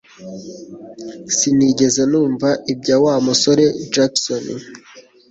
Sinigeze numva ibya Wa musore Jackson